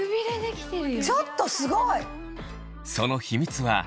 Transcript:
ちょっとすごい！